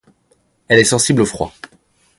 Elle est sensible au froid.